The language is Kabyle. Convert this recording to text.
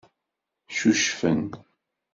Ccucfen.